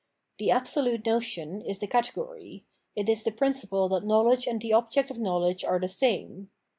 The absolute notion is the category ; it is the principle that knowledge and the object of knowledge are the same.